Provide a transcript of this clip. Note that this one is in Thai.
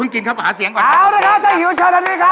อะ้วนี่ครับใจหิวช่อนทางนี้ครับ